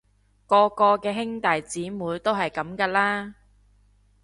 個個嘅兄弟姊妹都係噉㗎啦